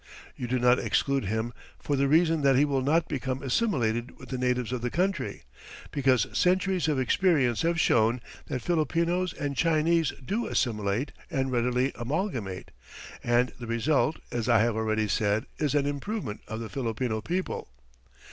You do not exclude him for the reason that he will not become assimilated with the natives of the country, because centuries of experience have shown that Filipinos and Chinese do assimilate and readily amalgamate, and the result, as I have already said, is an improvement of the Filipino people.